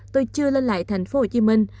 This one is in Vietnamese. tôi chưa lên lại thành phố hồ chí minh